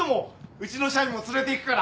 うちの社員も連れていくから。